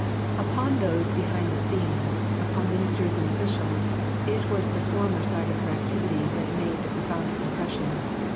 Upon those behind the scenes, upon ministers and officials, it was the former side of her activity that made the profounder impression.